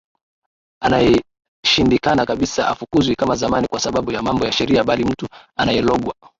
aliyeshindikana kabisa hafukuzwi kama zamani kwa sababu ya mambo ya sheria bali mtu anaelogwa